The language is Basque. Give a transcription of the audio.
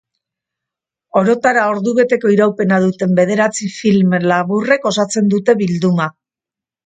Orotara ordubeteko iraupena duten bederatzi film laburrek osatzen dute bilduma.